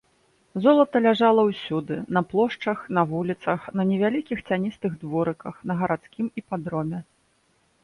Золата ляжала ўсюды: на плошчах, на вуліцах, на невялікіх цяністых дворыках, на гарадскім іпадроме.